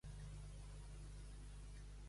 A dany d'algú.